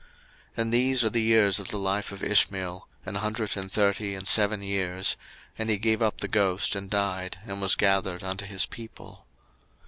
01:025:017 And these are the years of the life of Ishmael, an hundred and thirty and seven years: and he gave up the ghost and died; and was gathered unto his people.